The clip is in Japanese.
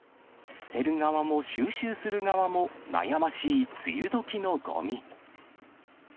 捨てる側も、収集する側も、悩ましい梅雨どきのごみ。